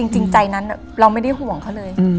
จริงใจนั้นเราไม่ได้ห่วงเขาเลย